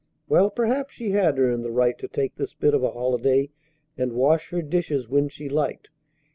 Well, perhaps she had earned the right to take this bit of a holiday, and wash her dishes when she liked.